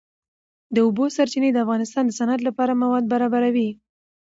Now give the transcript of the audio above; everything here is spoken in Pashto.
د اوبو سرچینې د افغانستان د صنعت لپاره مواد برابروي.